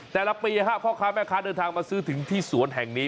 แต่ละปีพ่อค้าแม่ค้าเดินทางมาซื้อถึงที่สวนแห่งนี้